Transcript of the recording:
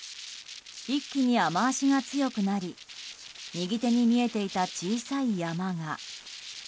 一気に雨脚が強くなり右手に見えていた小さい山が。